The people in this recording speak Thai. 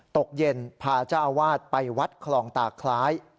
ตกเย็นพาเจ้าอาวาสไปวัดคลองตาคล้าย